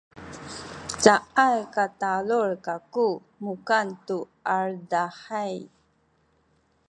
cayay katalul kaku mukan tu aledahay